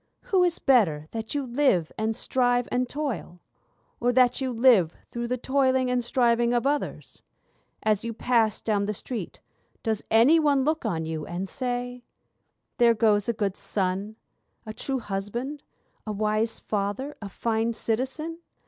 Who is better that you live, and strive, and toil? Or that you live through the toiling and striving of others? As you pass down the street does any one look on you and say, 'There goes a good son, a true husband, a wise father, a fine citizen?